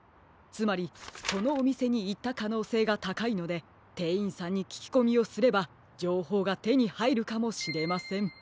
つまりこのおみせにいったかのうせいがたかいのでてんいんさんにききこみをすればじょうほうがてにはいるかもしれません。